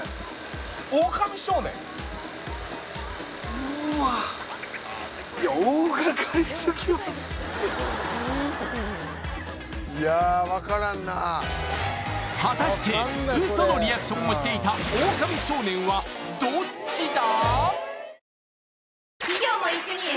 うーわっ果たしてウソのリアクションをしていたオオカミ少年はどっちだ？